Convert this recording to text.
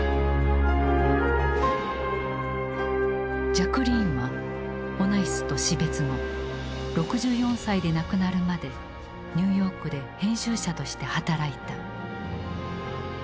ジャクリーンはオナシスと死別後６４歳で亡くなるまでニューヨークで編集者として働いた。